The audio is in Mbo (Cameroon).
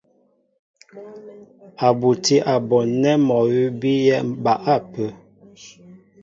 A butí a bon nɛ́ mɔ awʉ́ bíyɛ́ ba ápə́.